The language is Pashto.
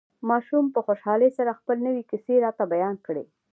ماشوم په خوشحالۍ سره خپلې نوې کيسې راته بيان کړې.